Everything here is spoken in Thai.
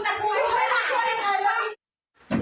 พ่อไม่ช่วยแม่พ่อไม่ช่วยใครเลย